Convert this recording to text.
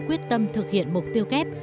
quyết tâm thực hiện mục tiêu kép